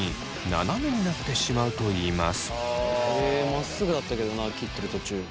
まっすぐだったけどな切ってる途中。